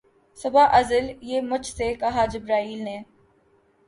صبح ازل یہ مجھ سے کہا جبرئیل نے